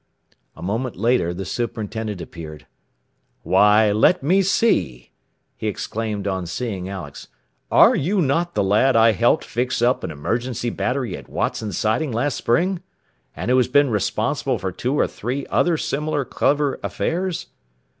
A moment later the superintendent appeared. "Why, let me see," he exclaimed on seeing Alex. "Are you not the lad I helped fix up an emergency battery at Watson Siding last spring? And who has been responsible for two or three other similar clever affairs?